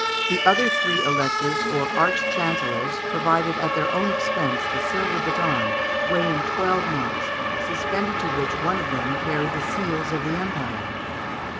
The other three Electors, or arch chancellors, provided at their own expense the silver baton, weighing twelve marks, suspended to which one of them carried the seals of the empire.